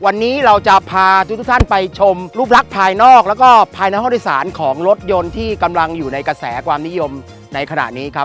วันนี้เราจะพาทุกท่านไปชมรูปลักษณ์ภายนอกแล้วก็ภายในห้องโดยสารของรถยนต์ที่กำลังอยู่ในกระแสความนิยมในขณะนี้ครับ